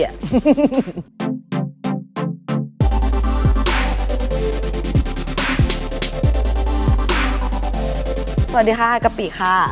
สวัสดีค่ะกะปิค่ะ